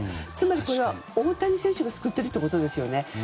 つまり、これは大谷選手が救っているということですね。